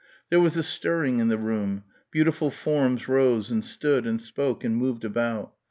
There was a stirring in the room; beautiful forms rose and stood and spoke and moved about.